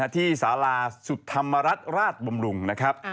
ที่สาราสุธรรมรัฐราชบำรุงนะครับ